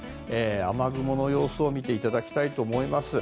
雨雲の様子を見ていただきたいと思います。